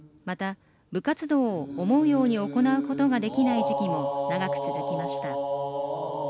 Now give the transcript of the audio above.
また、部活動を思うように行うことができない時期も長く続きました。